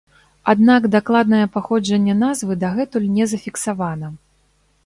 Аднак дакладнае паходжанне назвы дагэтуль не зафіксавана.